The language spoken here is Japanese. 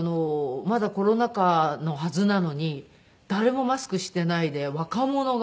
まだコロナ禍のはずなのに誰もマスクしていないで若者が目立つんですね。